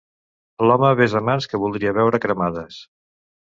L'home besa mans que voldria veure cremades.